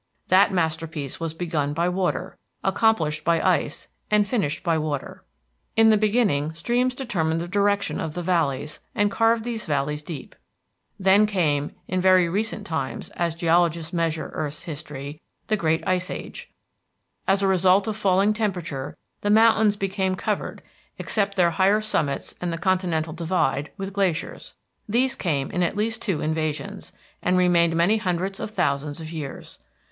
That masterpiece was begun by water, accomplished by ice, and finished by water. In the beginning, streams determined the direction of the valleys and carved these valleys deep. Then came, in very recent times, as geologists measure earth's history, the Great Ice Age. As a result of falling temperature, the mountains became covered, except their higher summits and the continental divide, with glaciers. These came in at least two invasions, and remained many hundreds of thousands of years.